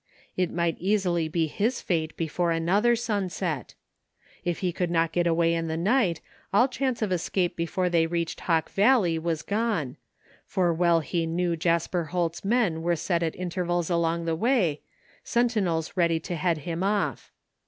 It might easily be his fate before another sunset If he could not get away in the night all chance of escape before they reached Hawk Valley was gone, for well he knew Jasper Holt's men were set at intervals along the way, sentinels ready to head him off.